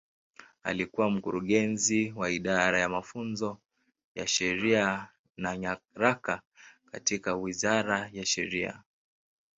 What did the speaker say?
Alikuwa Mkurugenzi wa Idara ya Mafunzo ya Sheria na Nyaraka katika Wizara ya Sheria.